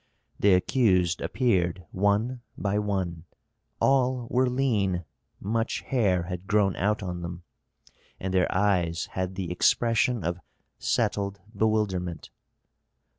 The accused appeared one by one. All were lean; much hair had grown out on them, and their eyes had the expression of settled bewilderment.